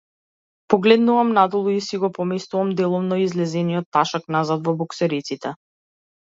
Погледнувам надолу, и си го поместувам делумно излезениот ташак назад во боксериците.